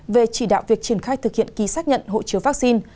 về chỉ đạo việc triển khai thực hiện ký xác nhận hộ chiếu vaccine